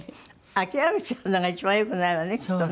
諦めちゃうのが一番よくないわねきっとね。